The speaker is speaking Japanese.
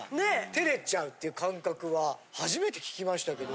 照れちゃうっていう感覚は初めて聞きましたけど。